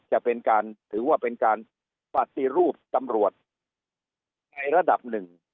จะเป็นการถือว่าเป็นการปฏิรูปตำรวจในระดับหนึ่ง